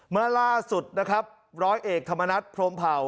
เมื่อล่าสุดนะครับร้อยเอกธรรมนัฐพรมเผ่า